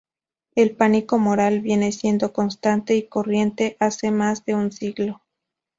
El pánico moral viene siendo constante y corriente hace más de un siglo.